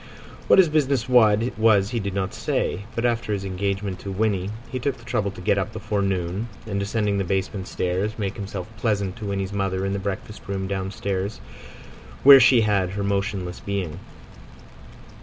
What his business was he did not say; but after his engagement to Winnie he took the trouble to get up before noon, and descending the basement stairs, make himself pleasant to Winnie's mother in the breakfast room downstairs where she had her motionless being.